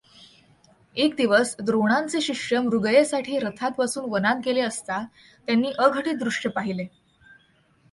एक दिवस द्रोणांचे शिष्य मृगयेसाठी रथात बसून वनात गेले असता त्यांनी अघटित दृश्य पाहिले.